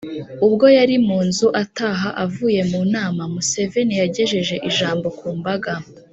ubwo yari mu nzira ataha avuye mu nama, museveni yagejeje ijambo ku mbaga.